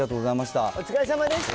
お疲れさまでした。